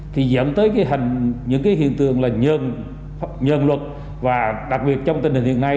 thì dẫn tới những hiện tượng là nhờn luật và đặc biệt trong tình hình hiện nay